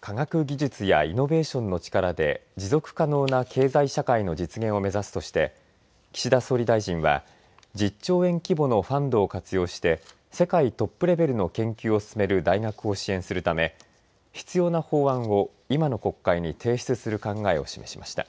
科学技術やイノベーションの力で持続可能な経済社会の実現を目指すとして岸田総理大臣は１０兆円規模のファンドを活用して世界トップレベルの研究を進める大学を支援するため必要な法案を今の国会に提出する考えを示しました。